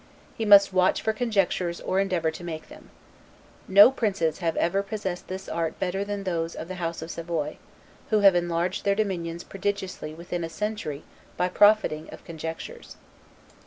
He must watch for conjunctures or endeavor to make them. No princes have ever possessed this art better than those of the House of Savoy; who have enlarged their dominions prodigiously within a century by profiting of conjunctures.